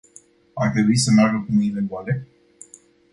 Ar trebui să meargă cu mâinile goale?